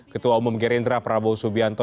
ketua umum gerindra prabowo subianto